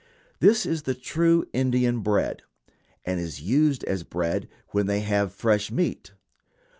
This is the true Indian bread, and is used as bread when they have fresh meat.